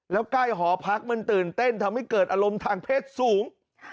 แล้วใกล้หอพักมันตื่นเต้นทำให้เกิดอารมณ์ทางเพศสูง